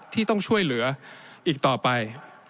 ที่ต้องช่วยเหลืออีกต่อไป